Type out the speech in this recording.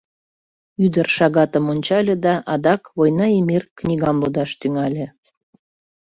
Ӱдыр шагатым ончале да адак «Война и мир» книгам лудаш тӱҥале.